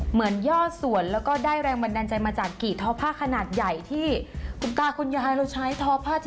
ย่อส่วนแล้วก็ได้แรงบันดาลใจมาจากกี่ทอผ้าขนาดใหญ่ที่คุณตาคุณยายเราใช้ทอผ้า